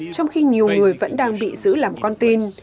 trong khi nhiều người vẫn đang bị giữ làm con tin